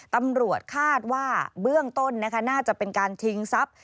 ตำรวจคาดว่าเบื้องต้นน่าจะเป็นการชิงทรัพย์